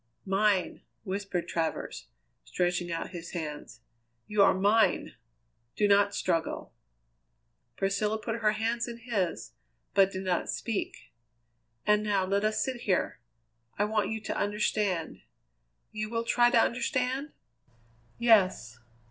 "Mine!" whispered Travers, stretching out his hands. "You are mine! Do not struggle." Priscilla put her hands in his, but did not speak. "And now let us sit here. I want you to understand. You will try to understand?" "Yes."